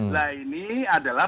nah ini adalah